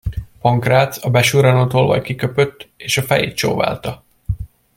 Pankrác, a besurranó tolvaj kiköpött, és a fejét csóválta.